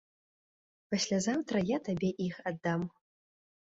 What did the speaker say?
Паслязаўтра я табе іх аддам.